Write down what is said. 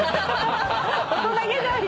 大人げない！